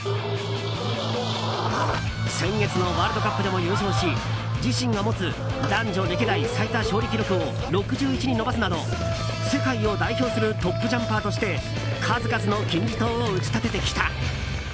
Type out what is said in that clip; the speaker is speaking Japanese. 先月のワールドカップでも優勝し自身が持つ男女歴代最多勝利記録を６１に伸ばすなど世界を代表するトップジャンパーとして数々の金字塔を打ち立ててきた。